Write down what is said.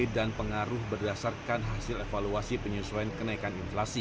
dan pengaruh berdasarkan hasil evaluasi penyesuaian kenaikan inflasi